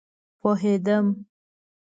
پوهيدم